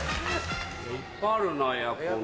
いっぱいあるなエアコン